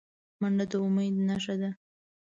منډه د امید نښه ده